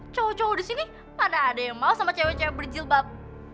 cowok cowok di sini mana ada yang mau sama cewek cewek berjilbab